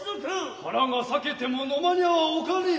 腹が裂けても呑まにゃおかねえ。